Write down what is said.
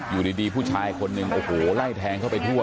อยู่ดีผู้ชายคนหนึ่งโอ้โหไล่แทงเข้าไปทั่ว